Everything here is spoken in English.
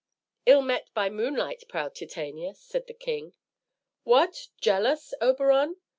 "Ill met by moonlight, proud Titania," said the king. "What! jealous, Oberon?"